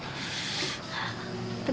ibu aku mau pergi